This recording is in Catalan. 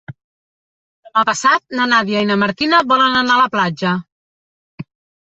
Demà passat na Nàdia i na Martina volen anar a la platja.